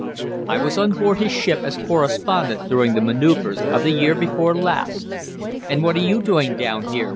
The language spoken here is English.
"I was on board his ship as correspondent during the manoeuvres of the year before last. 'And what are you doing down here?'